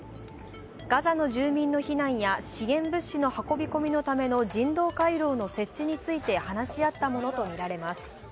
ガザの住民の避難や、支援物資の運び込みのための人道回廊の設置について話し合ったものとみられます。